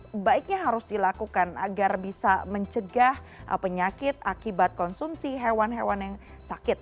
apa yang baiknya harus dilakukan agar bisa mencegah penyakit akibat konsumsi hewan hewan yang sakit